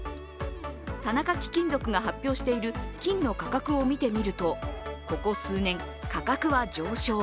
田中貴金属が発表している金の価格を見てみるとここ数年、価格は上昇。